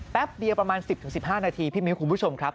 แป๊บเดียวประมาณ๑๐๑๕นาทีพี่มิ้วคุณผู้ชมครับ